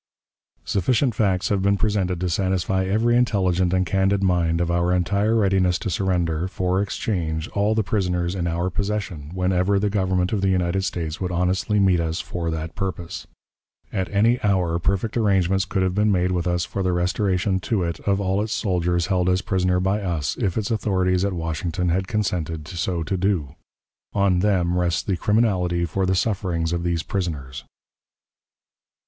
Sufficient facts have been presented to satisfy every intelligent and candid mind of our entire readiness to surrender, for exchange, all the prisoners in our possession, whenever the Government of the United States would honestly meet us for that purpose. At any hour perfect arrangements could have been made with us for the restoration to it of all its soldiers held as prisoners by us, if its authorities at Washington had consented so to do. On them rests the criminality for the sufferings of these prisoners.